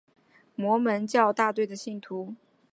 摩门教大队的信徒。